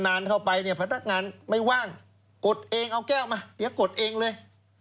เข้าไปเนี่ยพนักงานไม่ว่างกดเองเอาแก้วมาอย่ากดเองเลย